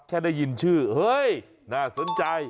ได้ยินชื่อเฮ้ยน่าสนใจ